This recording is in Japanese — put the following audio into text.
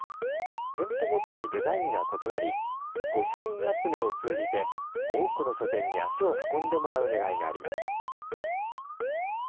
店舗ごとにデザインが異なり、御書印集めを通じて、多くの書店に足を運んでもらうねらいがあります。